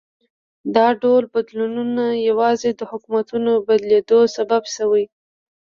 دا ډول بدلونونه یوازې د حکومتونو بدلېدو سبب شوي.